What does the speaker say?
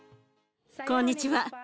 こんにちは。